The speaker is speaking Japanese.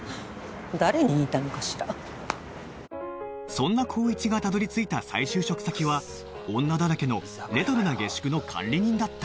そんな紘一がたどり着いた再就職先は女だらけのレトロな下宿の管理人だった